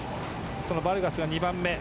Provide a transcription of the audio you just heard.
そのバルガスが２番目。